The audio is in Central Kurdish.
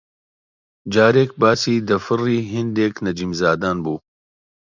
جارێک باسی بەدفەڕی هێندێک نەجیمزادان بوو